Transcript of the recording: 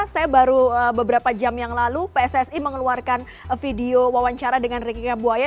saya baru beberapa jam yang lalu pssi mengeluarkan video wawancara dengan riki kabuaya